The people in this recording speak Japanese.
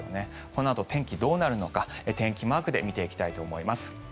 このあと天気がどうなるのか天気マークで見ていきたいと思います。